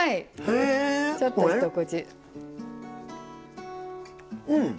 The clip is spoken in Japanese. ちょっと一口。